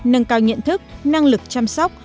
chín nâng cao nhận thức năng lực chăm sóc